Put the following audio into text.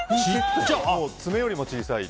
爪よりも小さい。